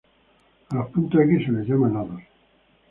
A los puntos x se les llama nodos.